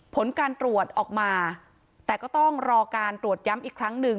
ผลการตรวจออกมาแต่ก็ต้องรอการตรวจย้ำอีกครั้งหนึ่ง